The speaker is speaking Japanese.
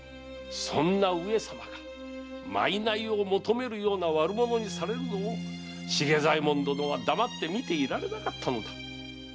そんな上様が賄を求めるような悪者にされるのを茂左衛門殿は黙って見ていられなかったのだ。